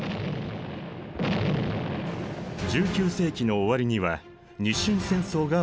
１９世紀の終わりには日清戦争が勃発。